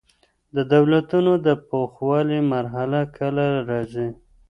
د دولتونو د پوخوالي مرحله کله راځي؟